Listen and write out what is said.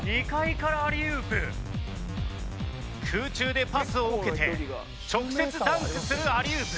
空中でパスを受けて直接ダンクするアリウープ。